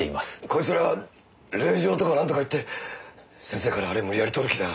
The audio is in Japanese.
こいつら令状とかなんとか言って先生からあれ無理やり取る気だ。